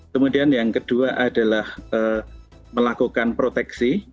kemudian yang kedua adalah melakukan proteksi